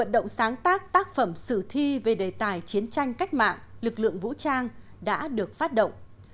động sáng tác tác phẩm sử thi về đề tài chiến tranh cách mạng lực lượng vũ trang đã được phát động